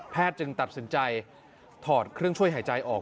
จึงตัดสินใจถอดเครื่องช่วยหายใจออก